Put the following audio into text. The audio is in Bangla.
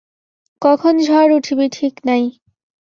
কখন ঝড় উঠিবে ঠিক নাই।